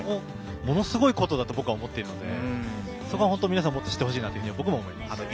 ものすごいことだと僕は思っているので、皆さんももっと知ってほしいなと僕も思います。